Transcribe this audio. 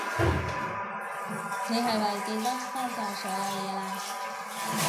你係咪記得返晒所有嘢喇？